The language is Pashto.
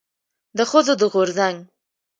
د ښځو د غورځنګ